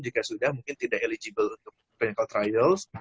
jika sudah mungkin tidak eligible untuk penyal trials